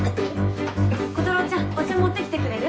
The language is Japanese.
コタローちゃんお茶持ってきてくれる？